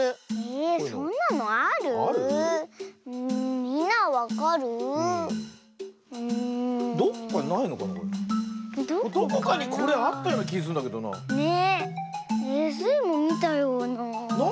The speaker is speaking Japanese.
えっスイもみたような。